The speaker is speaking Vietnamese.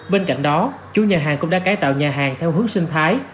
bên cạnh đó chủ nhà hàng cũng đã cải tạo nhà hàng theo hướng sinh thái